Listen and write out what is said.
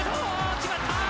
決まった！